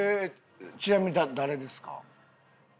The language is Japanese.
ちなみに誰ですか？